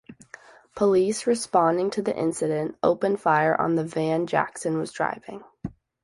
Police responding to the incident opened fire on the van Jackson was driving.